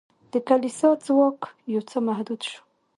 د کلیسا ځواک یو څه محدود شو.